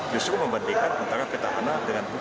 justru membandingkan antara petahana dengan